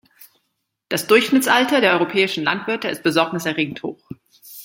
Das Durchschnittsalter der europäischen Landwirte ist besorgniserregend hoch.